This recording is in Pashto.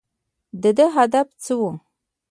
د ده هدف څه و ؟